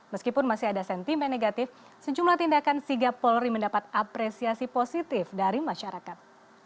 meskipun masih ada sentimen negatif sejumlah tindakan sigap polri mendapat apresiasi positif dari masyarakat